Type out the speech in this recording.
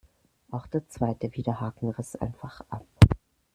Auch der zweite Widerhaken riss einfach ab.